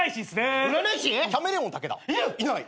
いない。